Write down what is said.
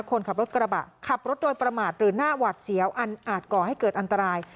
คนขับรถกระบะขับรถโดยประมาทหรือหน้าหวัดเสียวอันอาจก่อให้เกิดอันตราย